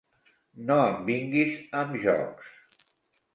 No em vinguis amb jocs.